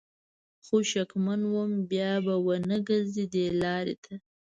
خو شکمن وم بیا به ونه ګرځم دې لار ته